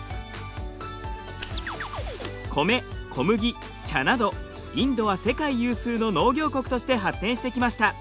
コメ小麦茶などインドは世界有数の農業国として発展してきました。